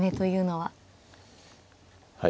はい。